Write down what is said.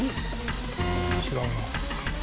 違うな。